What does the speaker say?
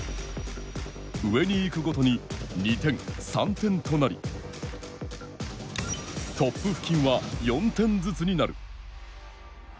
上に行くごとに２点、３点となりトップ付近は４点ずつになる。